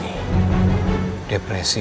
saya perlu untuk